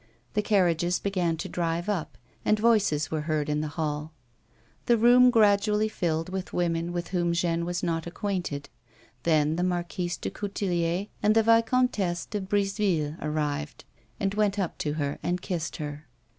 The carriages began to drive up, and voices were heard in the hall. The room gradually filled with women with whom Jeanne was not acquainted ; then the Marquisede Coutelier andtheVicomtessede Briseville H 162 A WOMAN'S LIFE. arrived, and went np to her and kissed her.